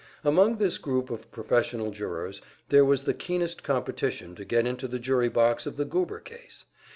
Among this group of professional jurors, there was the keenest competition to get into the jury box of the Goober case.